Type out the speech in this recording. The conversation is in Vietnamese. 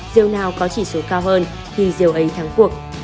diều nào có chỉ số cao hơn thì diều ấy thắng cuộc